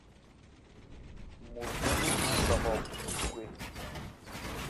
Mut nunu a nlogop hikwé.